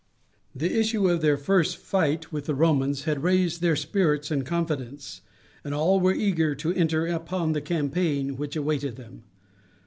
The issue of their first fight with the Romans had raised their spirits and confidence, and all were eager to enter upon the campaign which awaited them.